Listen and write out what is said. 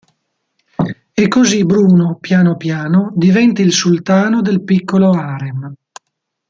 E così Bruno, piano piano, diventa il sultano del piccolo harem.